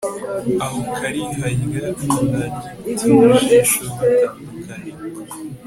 aho kariharya na gitimujisho batandukaniye